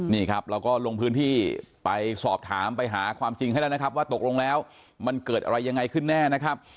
นี่ครับเราก็ลงพื้นที่ไปสอบถามไปหาความจริงให้แล้วนะครับว่าตกลงแล้วมันเกิดอะไรยังไงขึ้นแน่นะครับ